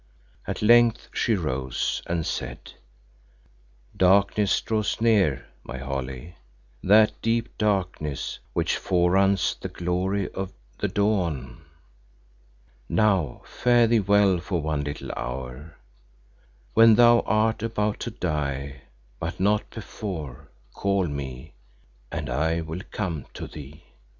At length she rose, and said, "Darkness draws near, my Holly, that deep darkness which foreruns the glory of the dawn. Now fare thee well for one little hour. When thou art about to die, but not before, call me, and I will come to thee.